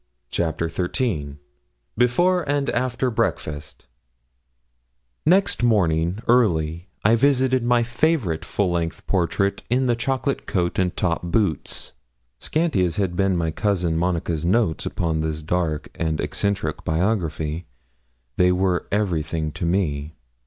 CHAPTER XIII BEFORE AND AFTER BREAKFAST Next morning early I visited my favourite full length portrait in the chocolate coat and top boots. Scanty as had been my cousin Monica's notes upon this dark and eccentric biography, they were everything to me.